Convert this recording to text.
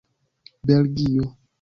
belgio